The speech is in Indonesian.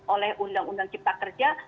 oleh undang undang cipta kerja